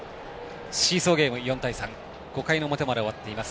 シーソーゲーム、４対３５回の表まで終わっています。